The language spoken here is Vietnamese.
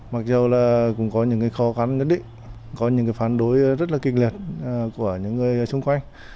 mặc dù là cũng có những khó khăn rất đỉnh có những phản đối rất là kinh liệt của những người xung quanh